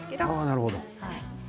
なるほど。